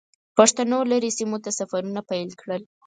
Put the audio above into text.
پښتنو لرې سیمو ته سفرونه پیل کړل.